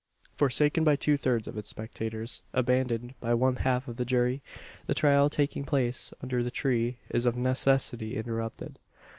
Forsaken by two thirds of its spectators abandoned, by one half of the jury the trial taking place under the tree is of necessity interrupted.